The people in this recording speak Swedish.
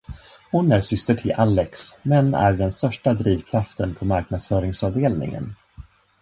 Hon är syster till Alexs, men är den största drivkraften på marknadsföringsavdelningen.